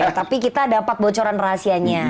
oke tapi kita dapat bocoran rahasianya